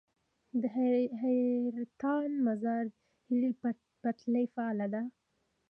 د حیرتان - مزار ریل پټلۍ فعاله ده؟